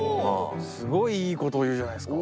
すごいいい事言うじゃないですか。